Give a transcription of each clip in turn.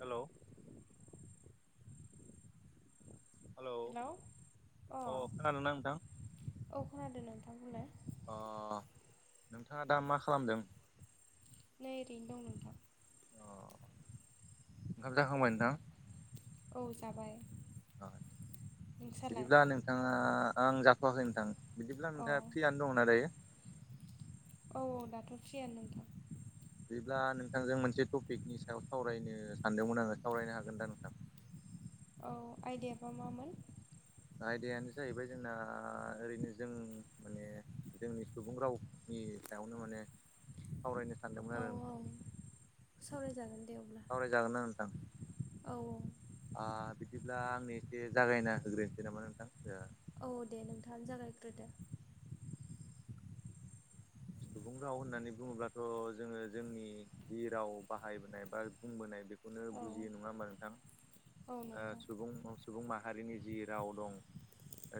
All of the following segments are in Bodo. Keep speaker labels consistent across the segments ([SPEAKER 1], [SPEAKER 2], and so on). [SPEAKER 1] हेल'। हेलौ
[SPEAKER 2] हेल' अ
[SPEAKER 1] अ खोनादोंना नोंथां
[SPEAKER 2] औ खोनादों नोंथां बुंलाय।
[SPEAKER 1] अ नोंथांङा दा मा खालामदों?
[SPEAKER 2] नै ओरैनो दं नोंथां।
[SPEAKER 1] अ ओंखाम जाखांबाय नोंथां?
[SPEAKER 2] औ जाबाय। नोंसालाय
[SPEAKER 1] बिदिब्ला नोंथाङा आं जाथ'वाखै नोंथां बिदिब्ला
[SPEAKER 2] औ
[SPEAKER 1] नोंथाङा फ्रिया दंना दायो?
[SPEAKER 2] औ औ दाथ' फ्रियानो नोंथां।
[SPEAKER 1] बिदिब्ला नोंथांजों मोनसे टपिकनि सायाव सावरायनो सानदोंमोन आङो सावरायनो हागोन दा नोंथां?
[SPEAKER 2] औ आयदायाबा मामोन?
[SPEAKER 1] आयदायानो जाहैबाय जोंना ओरैनो जों माने जोंनि सुबुं रावनि सायावनो माने सावरायनो सानदोंमोन आरो नोंथां।
[SPEAKER 2] उम सावरायजागोन दे अब्ला।
[SPEAKER 1] सावरायजागोन ना नोंथां?
[SPEAKER 2] औ औ।
[SPEAKER 1] आ बिदिब्ला आंनि एसे जागायना होग्रोनोसै नामा नोंथां ओ
[SPEAKER 2] औ दे नोंथाङानो जागायग्रोदो
[SPEAKER 1] सुबुं राव होननानै बुङोब्लाथ' जोङो जोंनि जि राव बाहायबोनाय बा बुंबोनाय बेखौनो
[SPEAKER 2] औ
[SPEAKER 1] बुजियो नङा होमबा नोंथां?
[SPEAKER 2] औ
[SPEAKER 1] ओ
[SPEAKER 2] नंगौ
[SPEAKER 1] सुबुं सुबुं माहारिनि जि राव दं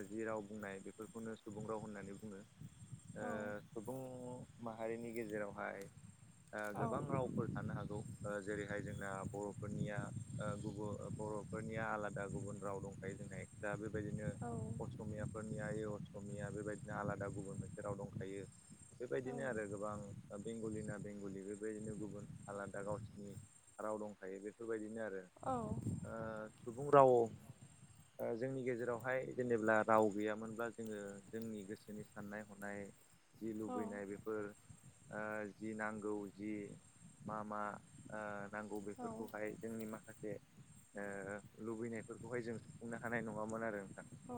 [SPEAKER 1] ओ जि राव बुंनाय बेफोरखौनो सुबुं राव होननानै बुङो। ओ
[SPEAKER 2] औ।
[SPEAKER 1] सुबुं माहारिनि गेजेरावहाय ओ
[SPEAKER 2] औ
[SPEAKER 1] गोबां रावफोर थानो हागौ ओ जेरैहाय जोंना बर'फोरनिया ओ गुबु बर'फोरनिया आलादा गुबुन राव दंखायो जोंहा दा बेबायदिनो
[SPEAKER 2] औ
[SPEAKER 1] असमियाफोरनिया असमिया बेबायदिनो आलादा गुबुन मोनसे राव दंखायो। बेबायदिनो आरो गोबां बेंगलिना बेंगलि बेबायदिनो गुबुन आलादा गावसोरनि राव दंखायो बेफोरबायदिनो आरो ओ सुबुं राव ओ जोंनि गेजेरावहाय जेनेब्ला राव गैयामोनब्ला जोङो जोंनि गोसोनि साननाय हनाय जि
[SPEAKER 2] औ
[SPEAKER 1] लुबैनाय बेफोर ओ जि नांगौ जि मा मा ओ नांगौ बेफोरखौहाय जोंनि माखासे ओ लुबैनायफोरखौहाय जों सुफुंनो हानाय नङामोन आरो नोंथां।
[SPEAKER 2] औ।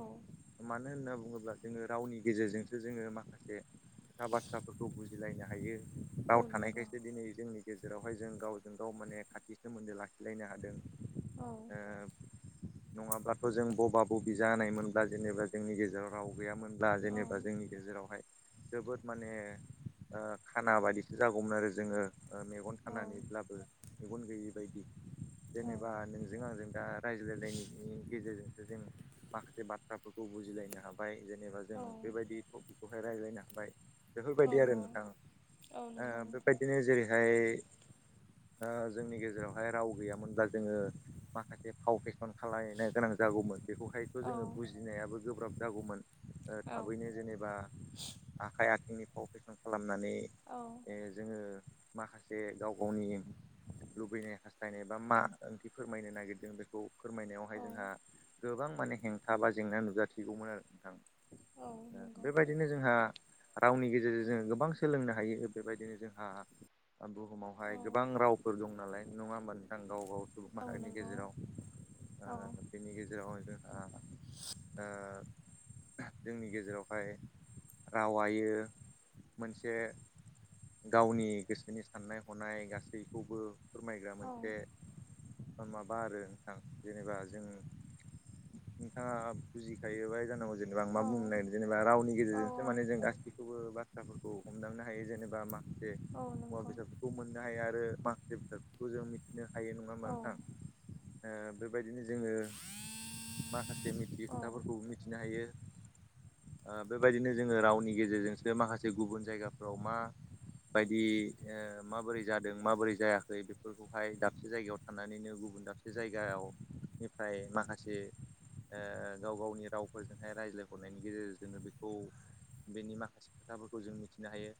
[SPEAKER 1] मानो होनना बुङोब्ला जोङो रावनि गेजेरजोंसो जोङो माखासे खोथा बाथ्राफोरखौ बुजिलायनो हायो राव
[SPEAKER 2] नंगौ
[SPEAKER 1] थानायखायसो दिनै जोंनि गेजेरावहाय जों गावजों गाव माने खाथि सोमोन्दो लाखिलायनो हादों।
[SPEAKER 2] औ
[SPEAKER 1] ओ नङाबाथ जों बबा ब बि जानाय मोनब्ला जेनेबा जोंनि गेजेराव राव गैयामोन। ला जेनेबा जोंनि गेजेरावहाय जोबोद माने ओ खाना बायदिसो जागौमोन आरो जोङो ओ मेगन खानानैब्लाबो मेगन गैयि बायदि जेनेबा नोंजों आंजों दा रायज्लायलायनायनि गेजेरजोंसो जों माखासे बाथ्राफोरखौ बुजिलायनो हा बाय जेनेबा जों बेबायदि टपिकखौहाय रायज्लायनो हाबाय
[SPEAKER 2] औ
[SPEAKER 1] बेफोरबायदि आरो नोंथां
[SPEAKER 2] औ
[SPEAKER 1] ओ
[SPEAKER 2] नंगौ नोंथां
[SPEAKER 1] बेबायदिनो जेरैहाय ओ जोंनि गेजेरावहाय राव गैयामोनब्ला जोङो माखासे फाव फेसन खालायनो गोनां जागौमोन बे खौहायखो
[SPEAKER 2] औ
[SPEAKER 1] जोङो बुजिनायाबो गोब्राब जागौमोन ओ
[SPEAKER 2] औ
[SPEAKER 1] थाबैनो जेनेबा आखाइ आथिंनि फाव फेसन खालामनानै ए जोङो माखासे गाव गावनि लुबैनाय हास्थायनाय बा मा ओंथि फोरमायनो नागिरदों बेखौ
[SPEAKER 2] औ
[SPEAKER 1] फोरमायनायावहाय जोंहा गोबां माने हेंथा बा जेंना नुजाथिगौमोन आरो नोंथां
[SPEAKER 2] औ नंगौ
[SPEAKER 1] ओ--बेबायदिनो जोंहा रावनि गेजेरजों जोङो गोबां सोलोंनो हायो बेबायदिनो जोंहा
[SPEAKER 2] औ
[SPEAKER 1] बुहुमावहाय गोबां रावफोर दं नालाय नङा होमबा नोंथां गाव गाव सुबुं
[SPEAKER 2] औ
[SPEAKER 1] माहारिनि
[SPEAKER 2] नंगौ
[SPEAKER 1] गेजेराव‌
[SPEAKER 2] औ
[SPEAKER 1] ओ बेनि गेजेराव जोंहा ओ- जोंनि गेजेरावहाय रावायो मोनसे गावनि गोसोनि साननाय हनाय गासैखौबो फोरमायग्रा
[SPEAKER 2] औ
[SPEAKER 1] मोनसे माबा आरो नोंथां जेनेबा जों नोंथाङा बुजिखायो बाय जानांगौ जेनेबा आं मा
[SPEAKER 2] औ
[SPEAKER 1] बुंनो नागिरदों जेनेबा रावनि
[SPEAKER 2] औ
[SPEAKER 1] गेजेरजों जों गासैखौबो बाथ्राफोरखौ हमदांनो हायो जेनेबा मा- से
[SPEAKER 2] औ
[SPEAKER 1] मुवा
[SPEAKER 2] नंगौ
[SPEAKER 1] बेसादफोरखौ मोननो हाया आरो माखासे बेसाद खौ जों मिथिनो हायो नङाहोमबा
[SPEAKER 2] औ
[SPEAKER 1] नोंथां ओ बेबायदिनो जोङो माखासे मिथियै खोथाफोरखौ मिथिनो हायो ओ बेबायदिनो जोङो रावनि गेजेरजोंसो माखासे गुबुन जायगाफ्राव मा बायदि ओ माबोरै जादों माबोरै जायाखै बेफोरखौहाय दाबसे जायगायाव थानानैनो गुबुन दाबसे जायगायाव निफ्राय माखासे ओ गाव गावनि रावफोरजोंहाय रायज्लाय हरनायनि गेजेरजोंनो बेखौ बेनि माखासे खोथाफोरखौ जों मिथिनो हायो‌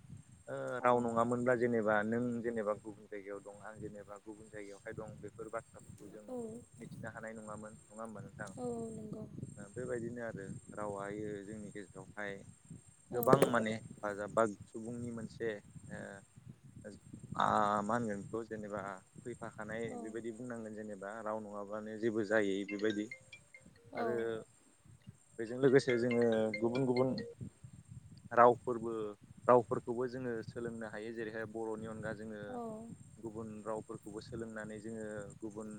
[SPEAKER 1] ओ
[SPEAKER 2] औ
[SPEAKER 1] राव नङामोनब्ला- जेनेबा नों जेनेबा गुबुन जायगायाव दं आं जेनेबा गुबुन जायगायावहाय दं बेफोर बाथ्राफोरखौ जों
[SPEAKER 2] औ
[SPEAKER 1] मिथिनो हानाय नङामोन नङा होमबा नोंथां?
[SPEAKER 2] औ नंगौ।
[SPEAKER 1] ओ- बेबायदिनो आरो रावआयो जोंनि गेजेरावहाय
[SPEAKER 2] औ औ
[SPEAKER 1] गोबां माने हेफाजाब बा सुबुंनि मोनसे ओ आ माहोनगोन बेखौ जेनेबा फैफाखानाय
[SPEAKER 2] औ
[SPEAKER 1] बेबायदि बुंनांगोन जेनेबा राव नङाबानो जेबो जायै बेबायदि आरो
[SPEAKER 2] नंगौ
[SPEAKER 1] बेजों लोगोसे जोङो गुबुन गुबुन रावफोरबो रावफोरखौबो जोङो सोलोंनो हायो जेरैहाय बर'नि अनगा जोङो गुबुन रावफोरखौबो सोलोंनानै जोङो गुबुन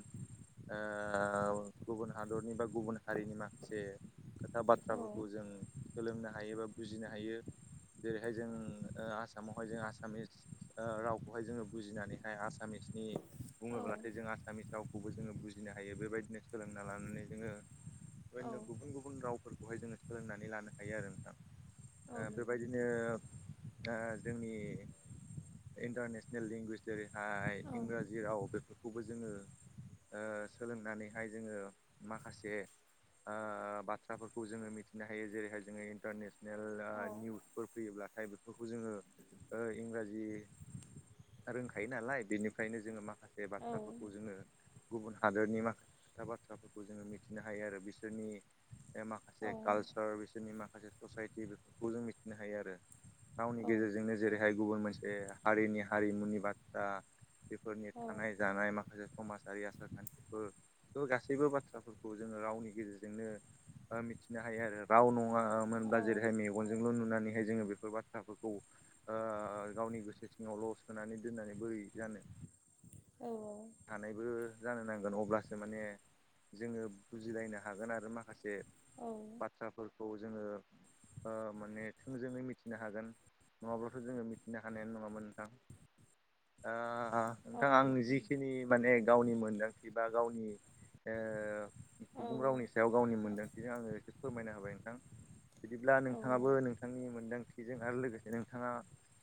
[SPEAKER 1] ओ गुबुन हादरनि बा गुबुन हारिनि माखासे खोथा
[SPEAKER 2] नोंथां
[SPEAKER 1] बाथ्राफोरखौ जों सोलोंनो हायो बा बुजिनो हायो। जेरैहाय जों ओ-आसामावहाय जों आसामिस ओ- रावखौहाय जोङो बुजिनानैहाय आसामिसनि बुङोब्लाथाय जोङो आसामिसाव रावखौबो जोङो बुजिनो हायो बेबायदिनो सोलोंना लानानै जोङो
[SPEAKER 2] औ
[SPEAKER 1] बेबायदिनो गुबुन गुबुन रावफोरखौहाय जोङो सोलोंनानै हायो नोंथां ओ बेबायदिनो
[SPEAKER 2] औ
[SPEAKER 1] ओ- जोंनि इन्टारनेसनेल लेंगुवेज जेरैहाय
[SPEAKER 2] औ
[SPEAKER 1] इंराजि राव बेफोरखौबो जोङो ओ सोलोंनानैहाय जोङो माखासे आ बाथ्राफोरखौ जोङो मिथिनो हायो जेरैहाय जोङो इन्टारनेट स्नेल ओ इयुटुबफोर फैयोब्लाथाय जोङो इंराजिनि रोंखायो नालाय बेनिफ्रायनो जोङो माखासे बाथ्राफोरखौ जोङो गुबुन हादोरनि माखासे खोथा बाथ्राफोरखौ जोङो मिथिनो हायो आरो बिसोरनि ओ माखासे
[SPEAKER 2] औ
[SPEAKER 1] कालचार बिसोरनि माखासे ससाइटि बेफोरखौ जों मिथिनो हायो आरो
[SPEAKER 2] औ
[SPEAKER 1] रावनि गेजेरजोंनो जेरैहाय गुबुन मोनसे हारिनि हारिमुनि बाथ्रा बेफोरनि थानाय
[SPEAKER 2] औ
[SPEAKER 1] जानाय माखासे समाजारि आसार खान्थि बो बेफोर गासैबो बाथ्राफोरखौ जोङो रावनि गेजेरजोंनो ओ मिथिनो हायो आरो राव नङाआ मोनब्ला जेरैहाय मे
[SPEAKER 2] औ
[SPEAKER 1] मेगनजोंल' नुनानैहाय जोङो बेफोर बाथ्राफोरखौ ओ गावनि गोसो सिङावल' सोनानै दोननानै बोरै जानो
[SPEAKER 2] औ औ
[SPEAKER 1] थानायबो जानो नांगोन अब्लासो माने जोङो बुजिलायनो हागोन आरो माखासे बाथ्राफोरखौ जोङो ओ माने थोंजोङै मिथिनो हागोन नङाब्लाथ' जोङो मिथिनो हानायानो नङामोन नोंथां आ नोंथां आं जिखि जिखिनि माने गावनि मोनदांथि बा गावनि ओ
[SPEAKER 2] औ
[SPEAKER 1] सुबुं रावनि सायाव गावनि मोन्दांथिजों आङो एसे फोरमायना होबाय नोंथां बिदिब्ला नोंथाङाबो नोंथांनि मोन्दांथिजों आरो लोगोसे नोंथाङा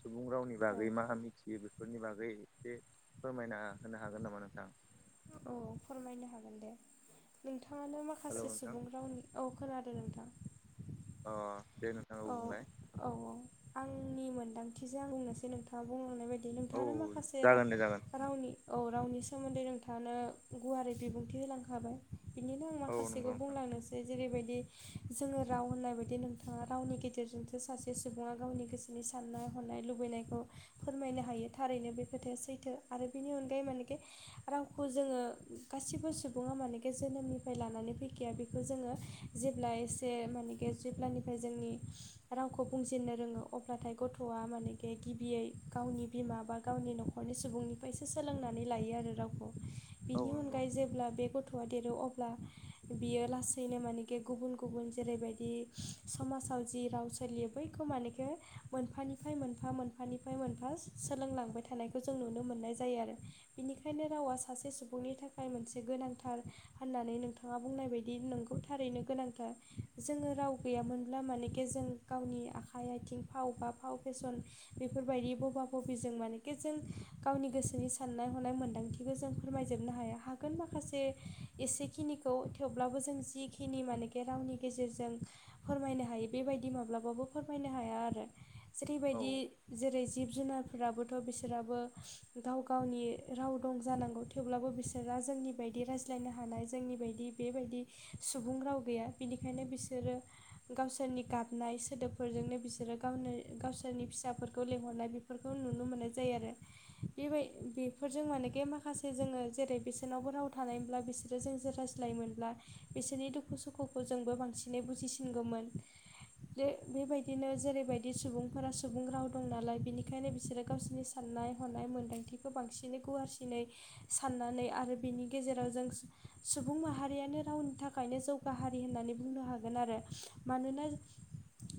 [SPEAKER 1] सुबुं रावनि बागै मा मिथियो बेफोरनि बागै एसे फोरमायना होनो हागोन नामा नोंथां
[SPEAKER 2] औ फोरमायनो हागोन दे नोंथाङानो
[SPEAKER 1] हेलौ
[SPEAKER 2] माखासे
[SPEAKER 1] नोंथां
[SPEAKER 2] सुबुं रावनि औ खोनादों नोंथां
[SPEAKER 1] अ देनों
[SPEAKER 2] औ औ औ आंनि मोन्दांथिजों आं बुंनोसै नोंथाङा बुंलांनाय बायदि दि
[SPEAKER 1] औ
[SPEAKER 2] नोंथाङानो माखासे
[SPEAKER 1] जागोन दे जागोन
[SPEAKER 2] रावनि औ रावनि सोमोन्दै नोंथानो गुवारै बिबुंथि होलांखाबाय बिदिनो आं
[SPEAKER 1] औ नंगौ
[SPEAKER 2] माखासेखौ
[SPEAKER 1] नोंथां
[SPEAKER 2] बुंलांनोसै जेरैबायदि जोङो राव होननानैदि नोंथाङा रावनि गेजेरजोंसो सासे सुबुङा गावनि गोसोनि साननाय हनाय लुबैनायखौ फोरमायनो हायो थारैनो बे खोथाया सैथो आरो बेनि अनगायै मानेखि रांखौ जोङो गासिबो सुबुङा माने खे जोनोमनिफ्राय लानानै फैखाया बेखौ जोङो जेब्ला एसे मानेके जेब्लानि फ्राय जोंनि रावखौ बुंजेननो रोङो अब्लाथाय गथ'आ मानेखे गिबियै गावनि बिमा बा गावनि न'खरनि सुबुंनिफ्रायसो सोलोंनानै लायो आरो रावखौ बिनि
[SPEAKER 1] औ नंगौ
[SPEAKER 2] अनगायै जेब्ला बे गथ थ'आ देरो अब्ला बियो लासैनो मानेके गुबुन गुबुन जेरैबायदि समाजाव जि राव सोलियो बैखो मानेखे मोनफानिफ्राय मोनफा मोनफानिफ्राय मोनफा सोलोंलांबाय थानायखौ जों नुनो मोननाय जायो आरो बिनिखायनो रावा सासे सुबुंनि थाखाय मोनसे गोनांथार होननानै नोंथाङा बुंनाय बायदि नोंगौ थारैनो गोनांथार जोङो राव गैयामोनब्ला मानेके जों गावनि आखाइ आथिं फाव बा फाव फेसन बेफोरबायदि ब'बा ब'बिजों मानेके जों गावनि गोसोनि साननाय हनाय मोन्दांथि इखो जों फोरमायजोबनो हाया हागोन माखासे एसेखिनिखौ थेवब्लाबो जों जिखिनि मानेखि बे रावनि गेजेरजों फोरमायनो हायो बेबायदि माब्लाबाबो फोरमायनो हाया आरो
[SPEAKER 1] औ
[SPEAKER 2] जेरैबायदि जेरै जिब जुनारफोराबोथ' बिसोराबो गाव गावनि राव दं जानांगौ थेवब्लाबो बिसोरा जोंनि बायदि रायज्लायनो हानाय जोंनि बायदि बेबायदि सुबुं राव गैया बिनिखायनो बिसोरो गावसोरनि गाबनाय सोदोबफोरजोंनो बिसोरो गावनो गावसोरनि फिसाफोरखौ लिंहरनाय बेफोरखौ नुनो मोननाय जायो आरो बिबाय बेफोरजों मानेखे माखासे जोंङो जेरै बिसोरनावबो राव थानायमोनब्ला बिसोर जे जोंजों रायज्लायो मोनब्ला बिसोरनि दुखु सुखुखौ जोंबो बांसिनै बुजिसिनगौमोन बे बेबायदिनो जेरैबायदि सुबुंफोरा सुबुं राव दं नालाय बिनिखायनो बिसोरो गावसोरनि साननाय हनाय मोन्दांथिखौ बांसिनै गुवारसिनै साननानै आरो बिनि गेजेराव जों सुबुं माहारियानो रावनि थाखायनो जौगा गाहारि होननानै बुंनो हागोन आरो मानोना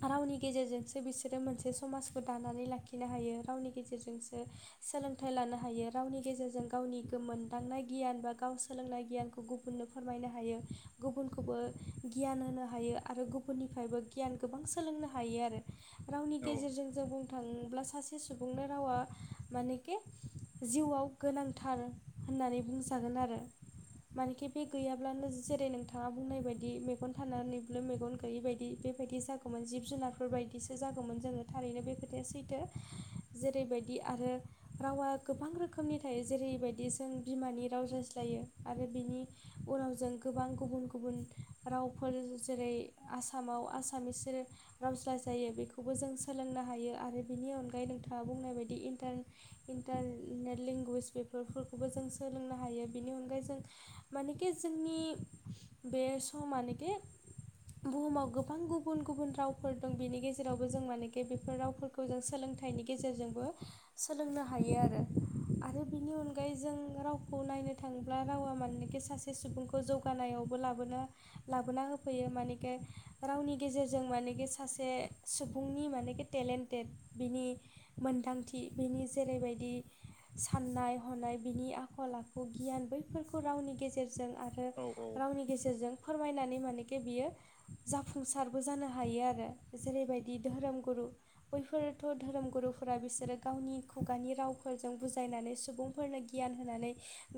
[SPEAKER 2] रावनि गेजेरजोंसो बिसोरो मोनसे समाजखौ दानानै लाखिनो हायो रावनि गेजेरजोंसो सोलोंथाइ लानो हायो रावनि गेजेरजों गावनि गोमोनदांनाय गियान बा गाव सोलोंनाय गियानखौ गुबुन बुननो फोरमायनो हायो गुबुनखौबो गियान होनो हायो आरो गुबुननिफ्रायबो गियान गोबां सोलोंनो हायो आरो रावनि
[SPEAKER 1] औ
[SPEAKER 2] गेजेरजों जों थांब्ला सासे सुबुंनि रावा मानेके जिउआव गोनांथार होननानै बुंजागोन आरो मानेकि बे गैयाब्लानो जेरै नोंथांङा बुंनाय बायदि मेगन थानानैबो मेगन गैयि बायदि बेबायदि जागौमोन जिब जुनारफोर बायदिसो जागौमोन जोंङो थारैनो बे खोथाया सैथो जेरैबायदि आरो रावा गोबां रोखोमनि थायो जेरैबायदि जों बिमानि राव रायज्ला जायो आरो बिनि उनाव जों गोबां गुबुन गुबुन रावफोर जेरै आसामाव आसामिस‌ जेरै राव रायज्लायो बेखौबो जों सोलोंनो हायो आरो बिनि अनगायै नोंथांङा बुंनाय बायदि इन्टारने इन्टारनेट लेंगुवेज बेफोरखौबो जों सोलोंनो हायो बेनि अनगायै जों मानेखि जोंनि बे समा मानेके बुहुमाव गोबां गुबुन गुबुन रावफोर दं बिनि गेजेरावबो जों मानेके बेफोर राव बेखौ जों सोलोंथाइनि गेजेरजोंबो‌ सोलोंनो आरो आरो बिनि अनगायै जों रावखौ नायनो थांब्ला रावा मानोखि सासे सुबुंखौ खौ जौगानायावबो लाबोनो लाबोना हो फैयो मानेखे रावनि गेजेरजों मानेके सासे सुबुंनि मानेके टेलेन्टेड बिनि मोनदांथि बिनि जेरैबायदि साननाय हनाय बिनि आखल आखु गियान बैफोरखौ रावनि गेजेरजों आरो ओ
[SPEAKER 1] औ औ
[SPEAKER 2] रावनि गेजेरजों फोरमायनानै मानेकि जे बियो जाफुंसारबो जानो हायो आरो जेरैबायदि धोरोम गुरु बैफोरथ' धोरोम गुरुफोरा बिसोरो गावनि खुगानि रावफोरजों बुजायनानै सुबुं फोरनो गियान होनानै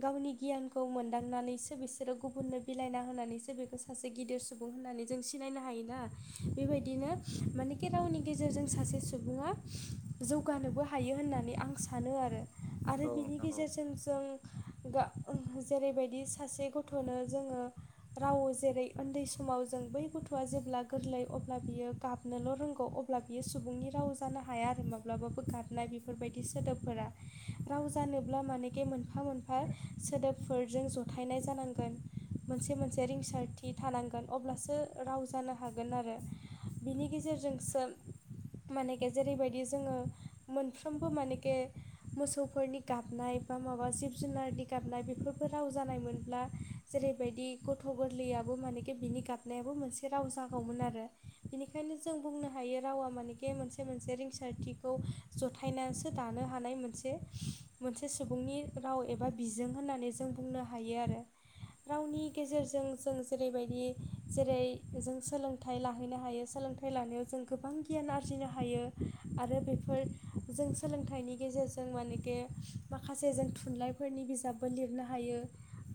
[SPEAKER 2] गावनि गियानखौ मोनदांनानैसो बिसोरो गुबुननो बिलाइना होनानैसो बे सासे गिदिर सुबुं होननानै जों सिनायनो हायोना बेबायदिनो मानेके रावनि गेजेरजों सासे सुबुंङा जौगानोबो हायो होननानै आं सानो आरो
[SPEAKER 1] औ
[SPEAKER 2] आरो बिनि
[SPEAKER 1] नोंथां
[SPEAKER 2] गेजेरजों जों गा जेरैबायदि सासे गथ'नो जोंङो राव जेरै उन्दै स समाव जों बै गथ'आ जेब्ला गोरलै अब्ला बियो गाबनोल' रोंगौ अब्ला बियो सुबुंनि रावजों जानो हाया आरो माब्लाबाबो गाबनायनि बेफोरबादि सोदोबफोरा राव‌ जानोब्ला मानेखे मोनफा मोनफा सोदोबफोरजों जथायनाय जानांगोन मोनसे मोनसे रिंसारथि थानांगोन अब्लासो राव जानो हागोन आरो बिनि गेजेरजोंसो मानेखे जेरैबायदि जोङो मोनफ्रोमबो मानेखे मोसौफोरनि गाबनाय बा माबा जिब जुनारनि गाबनाय बेफोरबो राव जानाय मोनब्ला जेरैबायदि गथ' गोरलैयाबो माने बिनि गाबनायाबो मोनसे राव जागौमोन आरो बेनिखायनो जों बुंनो हायो रावा माने बे मोनसे मोनसे रिंसारथिखौ जथायनानैसो दानो हानाय मोनसे मोनसे सुबुंनि राव एबा बिजों होननानै जों बुंनो हायो आरो रावनि गेजेरजों जों जेरैबायदि बि जेरै जों सोलोंथाइ लाहैनो हायो सोलोंथाइ लानायाव जों गोबां गियान आरजिनो हायो। आरो बेफोर जों सोलोंथाइनि गेजेरजों मानेके माखासे जों थुनलाइ फोरनि बिजाबबो लिरनो हायो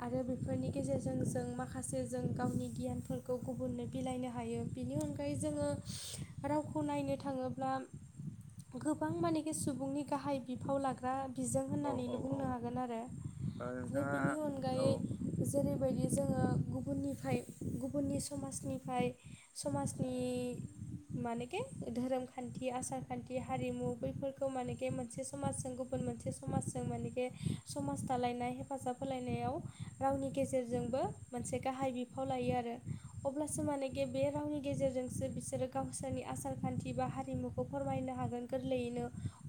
[SPEAKER 2] आरो बेफोरनि गेजेरजों जों माखासे जों गावनि गियानफोरखौ गुबुननो बिलाइनो हायो। बिनि अनगायै जोङो रावखौ नायनो थाङोब्ला
[SPEAKER 1] [inaudible]
[SPEAKER 2] गोबां मानेखि सुबुंनि गाहाय बिफाव लाग ग्रा बिजों
[SPEAKER 1] औ
[SPEAKER 2] होननानैनो
[SPEAKER 1] औ
[SPEAKER 2] बुंनो हागोन आरो।
[SPEAKER 1] औ
[SPEAKER 2] आरो
[SPEAKER 1] नोंथाङा
[SPEAKER 2] बिनि
[SPEAKER 1] औ
[SPEAKER 2] अनगायै जेरैबायदि जोङो गुबुननिफ्राय गुबुननि समाजनिफ्राय समाजनि मानेके धोरोम खान्थि आसार खान्थि हारिमु बैफोरखौ मानेके मोनसे समाजजों गुबुन मोनसे समाजजों मानेखे समाज दालायनाय हेफाजाब होलायनायाव रावनि गेजेरजोंबो मोनसे गाहाय बिफा फाव लायो आरो। अब्लासो मानेखि बे रावनि गेजेरजोंसो बिसोरो गावसोरनि आसार खान्थि बा हारिमु फोरमायनो हागोन गोरलैयैनो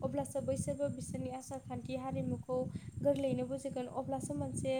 [SPEAKER 2] अब्लासो बैसोरबो बिसोरनि आसारखान्थि हारिमु खौ गोरलैयैनो बुजिगोन अब्लासो मोनसे